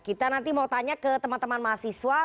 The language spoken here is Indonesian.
kita nanti mau tanya ke teman teman mahasiswa